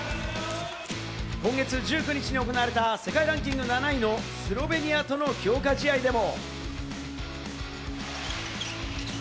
今月１９日に行われた世界ランキング７位のスロベニアとの強化試合でも。